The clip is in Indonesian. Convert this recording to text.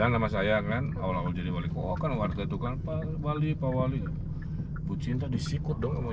kan awal awal jadi wali kok kan warga tukang pak wali pak wali bu cinta disikut dong kamu